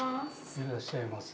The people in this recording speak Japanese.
いらっしゃいませ。